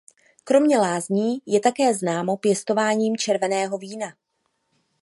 Kromě lázní je také známo pěstováním červeného vína.